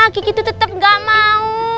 kiki tuh tetep ga mau